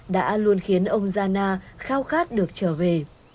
đã luôn khiến ông zhana khao khát được trở về